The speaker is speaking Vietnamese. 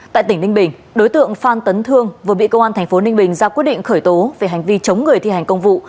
tại tỉnh ninh bình đối tượng phan tấn thương vừa bị công an tp ninh bình ra quyết định khởi tố về hành vi chống người thi hành công vụ